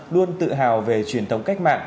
luôn tự hào về truyền thống cách mạng